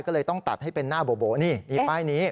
ก็เลยต้องตัดให้เป็นหน้าโบนี่นี่ป้ายนี้